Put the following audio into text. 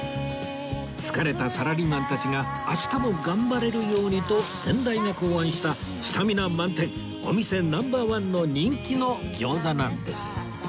疲れたサラリーマンたちが明日も頑張れるようにと先代が考案したスタミナ満点お店ナンバー１の人気の餃子なんです